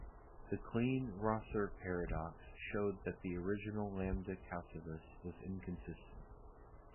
The Kleene-Rosser paradox showed that the original lambda calculus was inconsistent.